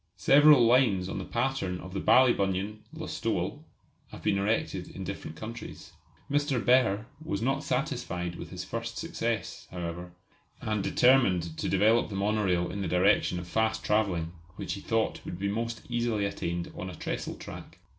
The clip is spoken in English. Several lines on the pattern of the Ballybunion Listowel have been erected in different countries. Mr. Behr was not satisfied with his first success, however, and determined to develop the monorail in the direction of fast travelling, which he thought would be most easily attained on a trestle track.